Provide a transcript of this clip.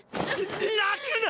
泣くな！！